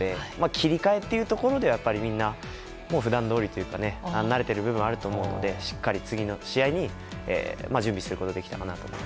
切り替えというところではみんな普段どおりというか慣れている部分はあると思うのでしっかり、次の試合に向けて準備することができたかなと。